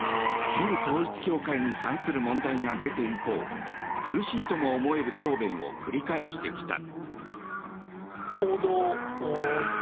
旧統一教会に関する問題が出て以降苦しいとも思える答弁を繰り返してきた。